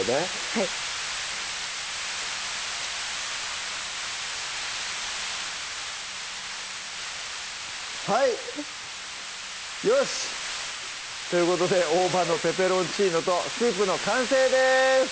はいはいよし！ということで「大葉のペペロンチーノ」とスープの完成です